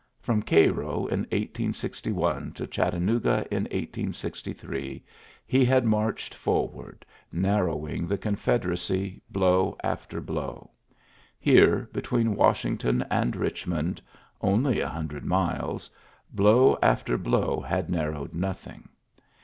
From Cairo in 1861 to Chattanooga in 1863 he had marched forward, narrowing the Confederacy blow after blow. Here, between Washington and Bichmond — only a hundred miles — blow after blow had narrowed nothing.